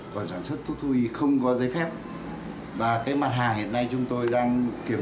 còn sản xuất thuốc thú y không có giấy phép và cái mặt hàng hiện nay chúng tôi đang kiểm